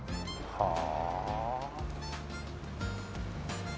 はあ。